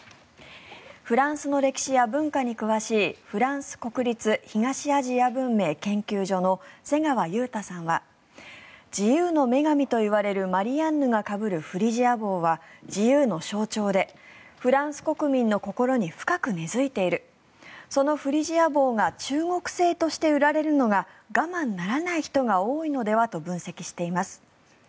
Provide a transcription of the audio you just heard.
フランスの歴史や文化に詳しいフランス国立東アジア文明研究所の世川祐多さんは自由の女神といわれるマリアンヌが被るフリジア帽は自由の象徴でフランス国民の心に深く根付いているそのフリジア帽が中国製として売られるのが我慢ならない人が多いのではと分析しています。